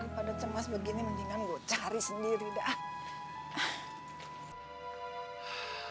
pada cemas begini mendingan gue cari sendiri dah